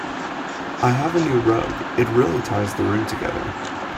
I have a new rug, it really ties the room together.